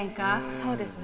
そうですね。